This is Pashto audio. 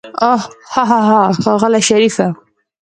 اوح هاهاها ښاغلی شريفه.